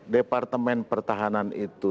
departemen pertahanan itu